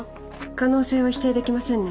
可能性は否定できませんね。